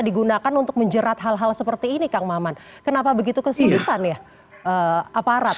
digunakan untuk menjerat hal hal seperti ini kang maman kenapa begitu kesidupan ya aparat